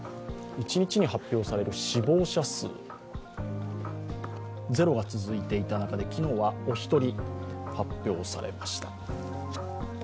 １日に発表される死亡者数、０が続いていた中で昨日はお一人発表されました。